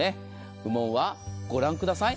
羽毛はご覧ください。